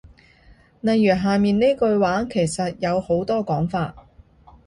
例如下面呢句話其實有好多講法